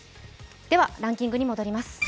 ランキングに戻ります。